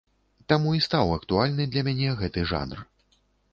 Таму і стаў актуальны для мяне гэты жанр.